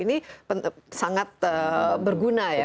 ini sangat berguna ya